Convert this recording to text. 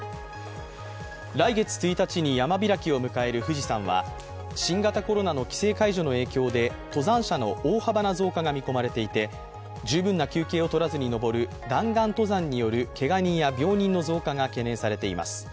来月１日に山開きを迎える富士山は新型コロナの規制解除の影響で登山者の大幅な増加が見込まれていて十分な休憩をとらずに登る弾丸登山によるけが人や病人の増加が懸念されています。